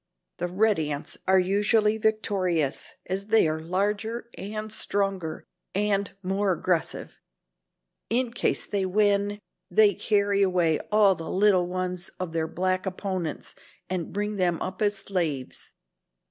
The red ants are usually victorious, as they are larger and stronger and more aggressive. In case they win, they carry away all the little ones of their black opponents and bring them up as slaves.